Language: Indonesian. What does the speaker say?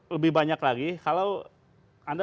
lebih banyak lagi kalau anda